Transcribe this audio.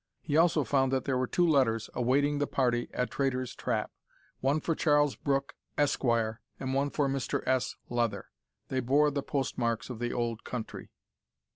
He also found that there were two letters awaiting the party at Traitor's Trap one for Charles Brooke, Esquire, and one for Mr S. Leather. They bore the postmarks of the old country.